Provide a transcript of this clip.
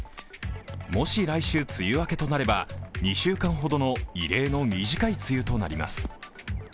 もし来週、梅雨明けとなれば２週間ほどの異例の短い梅雨となります。